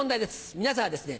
皆さんはですね